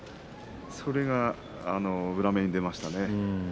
それが裏目に出ましたね。